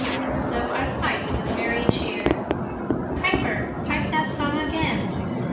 So I piped with merry cheer. 'Piper, pipe that song again.